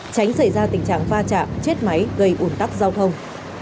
tránh xảy ra tình trạng va chạm chết máy gây ủn tắc giao thông